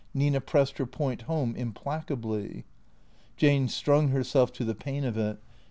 Nina pressed her point home implacably. Jane strung herself to the pain of it.